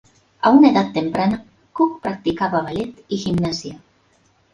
A una edad temprana, Cooke practicaba ballet y gimnasia.